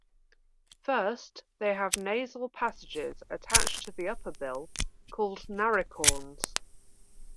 First, they have nasal passages attached to the upper bill called naricorns.